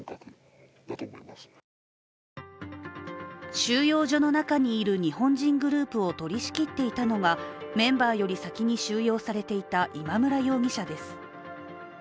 収容所の中にいる日本人グループを取りしきっていたのがメンバーより先に収容されていた今村容疑者です。